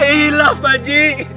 iya lah pakji